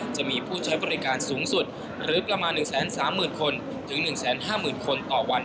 จะมีผู้ใช้บริการสูงสุดหรือประมาณ๑๓๐๐๐๐คนถึง๑๕๐๐๐๐คนต่อวันจากในเกี่ยวกับปีก่อน